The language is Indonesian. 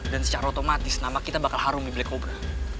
dan secara otomatis nama kita bakal harumi black cobra